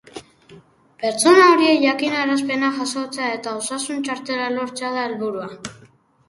Pertsona horiek jakinarazpenak jasotzea eta osasun txartela lortzea da helburua.